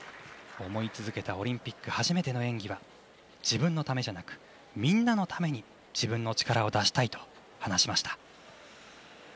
思い続けたオリンピック初めての演技は自分のためじゃなくみんなのために自分の力を出したいと話しました。